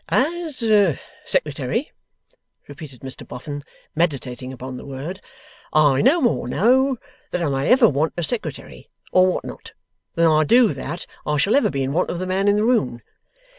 'As Secretary,' repeated Mr Boffin, meditating upon the word; 'I no more know that I may ever want a Secretary, or what not, than I do that I shall ever be in want of the man in the moon.